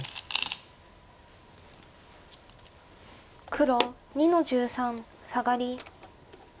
黒２の十三サガリ。